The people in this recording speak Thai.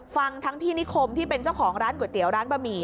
ฟังทั้งพี่นิคมที่เป็นเจ้าของร้านก๋วยเตี๋ยวร้านบะหมี่